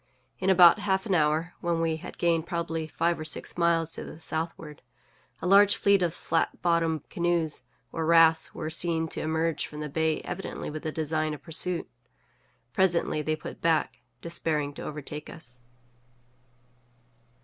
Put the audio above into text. In about half an hour, when we had gained probably five or six miles to the southward, a large fleet of the flat bottomed canoes or rafts were seen to emerge from the bay evidently with the design of pursuit. Presently they put back, despairing to overtake us.